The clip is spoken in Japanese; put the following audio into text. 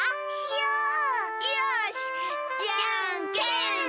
よしじゃんけん。